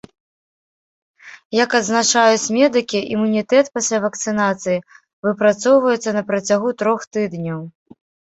Як адзначаюць медыкі, імунітэт пасля вакцынацыі выпрацоўваецца на працягу трох тыдняў.